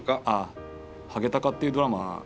あっ「ハゲタカ」っていうドラマ。